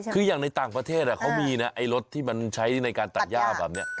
คืออย่างในต่างประเทศเขามีนะไอ้รถที่มันใช้ในการตัดย่าแบบนี้